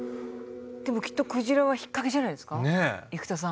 でもきっとクジラは引っ掛けじゃないですか？